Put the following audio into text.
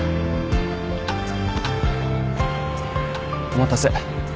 お待たせ。